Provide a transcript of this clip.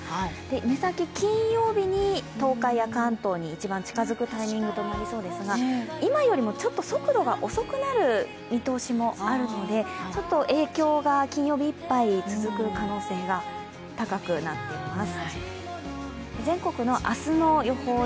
目先、金曜日に東海や関東に一番近づくタイミングとなりそうですが今よりもちょっと速度が遅くなる見通しもあるので、影響が金曜日いっぱい続く可能性が高くなっています。